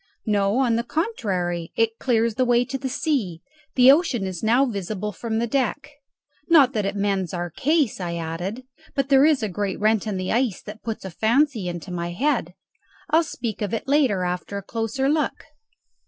"No, on the contrary, it clears the way to the sea; the ocean is now visible from the deck. Not that it mends our case," I added. "But there is a great rent in the ice that puts a fancy into my head; I'll speak of it later after a closer look."